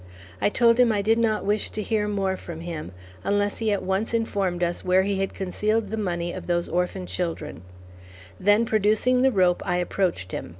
I told him I did not wish to hear more from him, unless he at once informed us where he had concealed the money of those orphan children; then producing the rope I approached him.